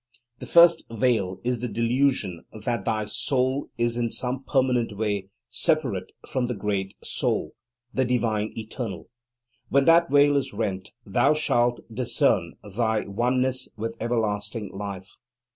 The first veil is the delusion that thy soul is in some permanent way separate from the great Soul, the divine Eternal. When that veil is rent, thou shalt discern thy oneness with everlasting Life.